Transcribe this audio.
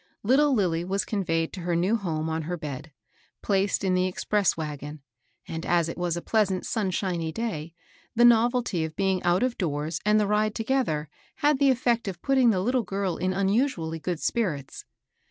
Little Lilly was conveyed to her new home on her bed, placed in the express wagon ; and, as it was a pleasant, sunshiny day, the noyelty of being out of doors and the ride together had the eflFect of putting the little girl in unusually good spirits.